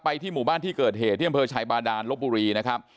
ที่หมู่บ้านที่เกิดเหตุที่อำเภอชายบาดานลบบุรีนะครับ